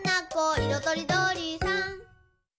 いろとりどりさん」